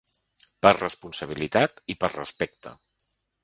Per responsabilitat i per respecte.